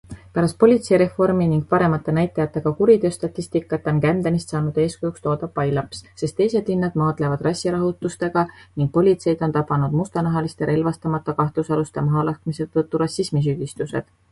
Pärast politseireformi ning paremate näitajatega kuriteostatistikat on Camdenist saanud eeskujuks toodav pailaps, sest teised linnad maadlevad rassirahutustega ning politseid on tabanud mustanahaliste relvastamata kahtlusaluste mahalaskmise tõttu rassismisüüdistused.